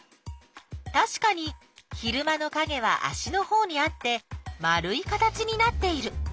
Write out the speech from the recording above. たしかに昼間のかげは足のほうにあって丸い形になっている。